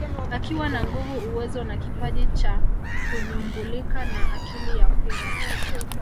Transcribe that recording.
Akiwa na nguvu uwezo na kipaji cha kunyumbulika na akili ya mpira